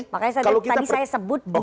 makanya tadi saya sebut